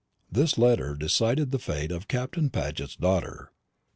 This letter decided the fate of Captain Paget's daughter.